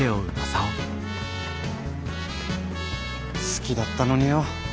好きだったのによ。